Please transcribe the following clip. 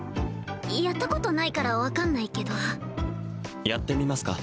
やったことないから分かんないけどやってみますか？